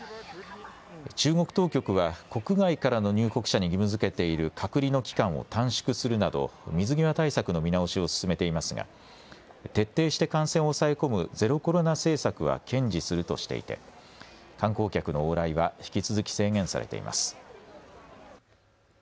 中国当局は国外からの入国者に義務づけている隔離の期間を短縮するなど水際対策の見直しを進めていますが徹底して感染を抑え込むゼロコロナ政策は堅持するとしていて観光客の往来は引き続き制限されています。